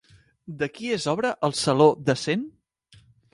De qui és obra el Saló de Cent?